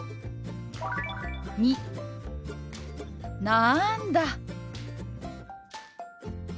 「なんだ」。